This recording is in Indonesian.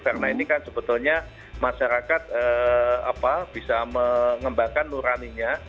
karena ini kan sebetulnya masyarakat bisa mengembangkan nuraninya